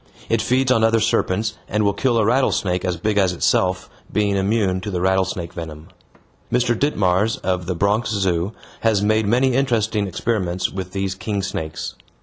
It feeds on other serpents, and will kill a rattlesnake as big as itself, being immune to the rattlesnake venom. Mr. Ditmars, of the Bronx Zoo, has made many interesting experiments with these king snakes.